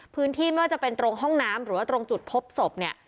ไม่ว่าจะเป็นตรงห้องน้ำหรือว่าตรงจุดพบศพเนี่ย